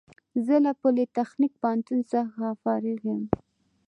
زه له پولیتخنیک پوهنتون څخه فارغ یم